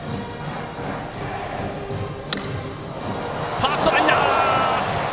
ファーストライナー。